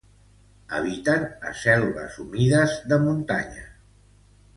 Habiten a selves humides de muntanya.